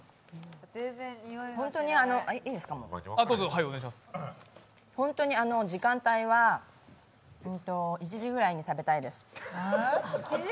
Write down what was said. うん、ホントに時間帯は１時ぐらいに食べたいです。